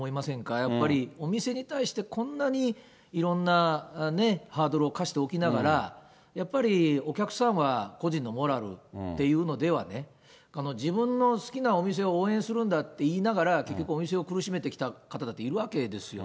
やっぱりお店に対してこんなにいろんなハードルを課しておきながら、やっぱりお客さんは個人のモラルっていうのではね、自分の好きなお店を応援するんだって言いながら、結局お店を苦しめてきた方だっているわけですよ。